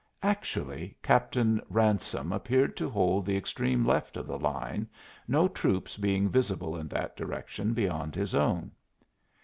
Actually, Captain Ransome appeared to hold the extreme left of the line, no troops being visible in that direction beyond his own.